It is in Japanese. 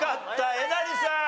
えなりさん。